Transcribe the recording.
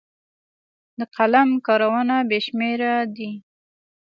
د قلم کارونه بې شمېره دي.